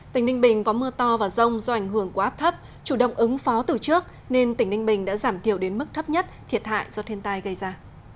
tỉnh ninh bình có mưa to và rông do ảnh hưởng của áp thấp chủ động ứng phó từ trước nên tỉnh ninh bình đã giảm thiểu đến mức thấp nhất thiệt hại do thiên tai gây ra